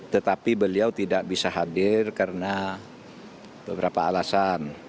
tetapi beliau tidak bisa hadir karena beberapa alasan